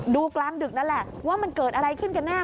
กลางดึกนั่นแหละว่ามันเกิดอะไรขึ้นกันแน่